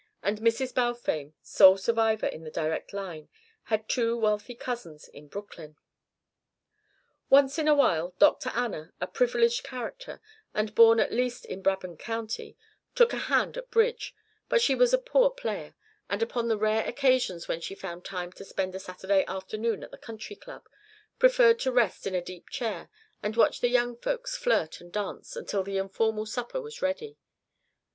And Mrs. Balfame, sole survivor in the direct line, had two wealthy cousins in Brooklyn. Once in a while Dr. Anna, a privileged character, and born at least in Brabant County, took a hand at bridge, but she was a poor player, and, upon the rare occasions when she found time to spend a Saturday afternoon at the Country Club, preferred to rest in a deep chair and watch the young folks flirt and dance until the informal supper was ready.